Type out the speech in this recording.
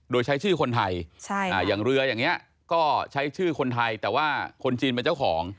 โดยใช้ชื่อคนไทยอย่างเรืออย่างนี้ก็ใช้ชื่อคนไทยแต่ว่าคนจีนเป็นเจ้าของ